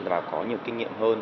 và có nhiều kinh nghiệm hơn